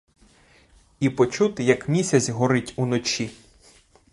І почути, як місяць горить уночі.